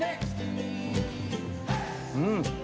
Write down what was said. うん！